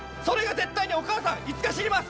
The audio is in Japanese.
絶対にお母さん、いつか死にます